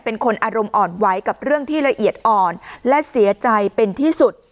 เป็นคนอารมณ์อ่อนไหวกับเรื่องที่ละเอียดอ่อนและเสียใจเป็นที่สุด